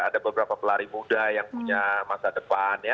ada beberapa pelari muda yang punya masa depan ya